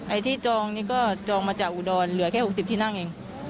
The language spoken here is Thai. ไอ้ที่จองนี่ก็จองมาจากอุดรเหลือแค่๖๐ที่นั่งเอง